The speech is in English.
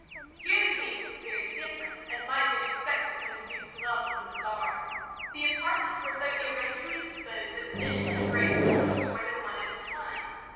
Here the case was very different, as might have been expected from the duke's love of the bizarre. The apartments were so irregularly disposed that the vision embraced but little more than one at a time.